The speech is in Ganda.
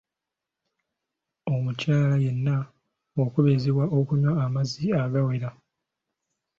Omukyala yenna okubirizibwa okunywa amazzi agawera.